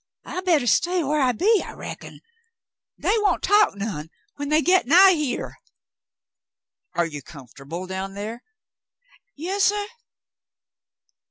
"I better stay whar I be, I reckon. They won't talk none when they get nigh hyar." '*Are you comfortable down there .f^" "Yas, suh."